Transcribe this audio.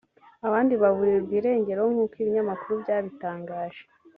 abandi baburirwa irengero nkuko ibinyamakuru byabitangaje